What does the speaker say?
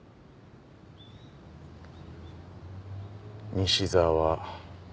西沢。